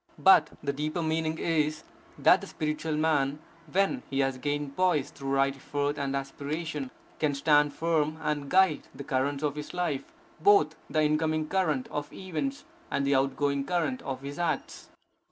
But the deeper meaning is, that the spiritual man, when he has gained poise through right effort and aspiration, can stand firm, and guide the currents of his life, both the incoming current of events, and the outgoing current of his acts.